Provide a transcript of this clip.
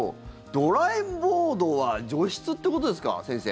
ドライモードは除湿ってことですか、先生。